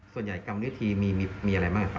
ส่วนใหญ่กรรมฤทธิมีอะไรบ้าง